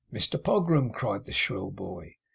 'Mr Pogram!' cried the shrill boy.